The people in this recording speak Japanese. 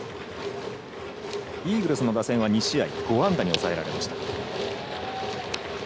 イーグルスの打線は２試合５安打に抑えられました。